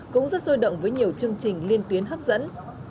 cũng rất sôi động với nhiều chương trình liên tuyến hấp dẫn